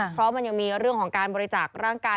เพราะมันยังมีเรื่องของการบริจาคร่างกาย